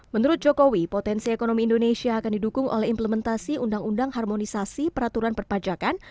menurut jokowi potensi ekonomi indonesia akan didukung oleh implementasi undang undang harmonisasi peraturan perpajakan